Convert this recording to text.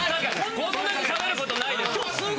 こんなにしゃべることないです。